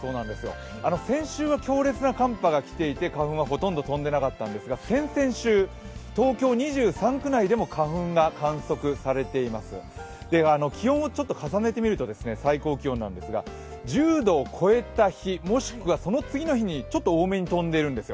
先週は強烈な寒波が来ていて花粉は、ほとんど飛んでいなかったんですが、先々週、東京２３区内でも花粉が観測されています、気温を重ねていくと最高気温なんですが、１０度を超えた日、もしくはその次の日にちょっと多めに飛んでいるんですよ。